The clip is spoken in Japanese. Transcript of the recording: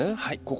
はい。